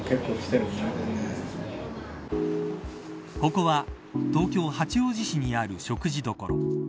ここは東京、八王子市にある食事処。